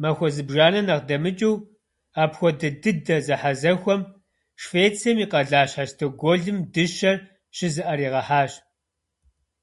Махуэ зыбжанэ нэхъ дэмыкӀыу апхуэдэ дыдэ зэхьэзэхуэм Швецием и къалащхьэ Стокгольм дыщэр щызыӀэригъэхьащ.